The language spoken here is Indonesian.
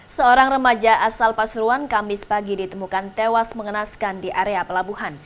seorang remaja asal pasuruan kamis pagi ditemukan tewas mengenaskan di area pelabuhan